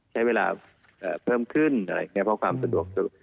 ใช้เวลาเพิ่มขึ้นเพราะความสะดวก